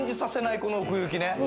この奥行きね。